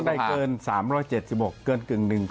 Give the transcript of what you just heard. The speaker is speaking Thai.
ได้เกิน๓๗๖เกินกึ่งหนึ่ง